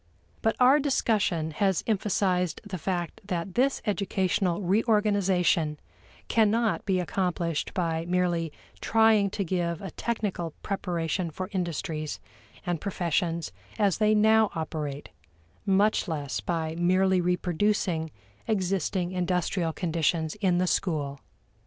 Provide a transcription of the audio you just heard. But our discussion has emphasized the fact that this educational reorganization cannot be accomplished by merely trying to give a technical preparation for industries and professions as they now operate, much less by merely reproducing existing industrial conditions in the school.